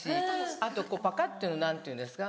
あとこうパカっていうの何ていうんですか？